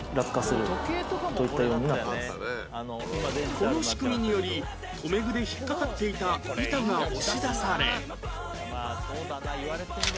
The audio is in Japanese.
この仕組みにより留め具で引っかかっていた板が押し出され